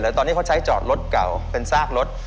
ตอนนี้เขาใช้จอดรถเก่าเป็นซากรถ